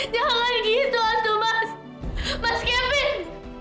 jangan gitu asma mas mas kevin